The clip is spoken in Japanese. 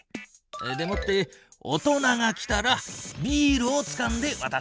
でもって大人が来たらビールをつかんでわたせ。